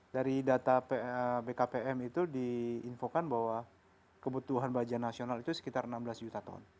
dari data bkpm itu diinfokan bahwa kebutuhan baja nasional itu sekitar enam belas juta ton